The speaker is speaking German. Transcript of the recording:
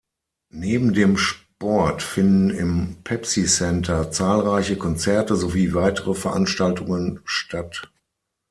Neben dem Sport finden im "Pepsi Center" zahlreiche Konzerte sowie weitere Veranstaltungen statt.